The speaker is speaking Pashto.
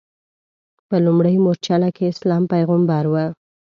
په لومړۍ مورچله کې اسلام پیغمبر و.